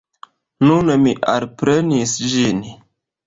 Nun mi elprenis ĝin.